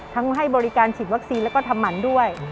ให้บริการฉีดวัคซีนแล้วก็ทำหมันด้วย